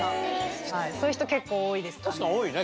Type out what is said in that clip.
そういう人結構多いですかね。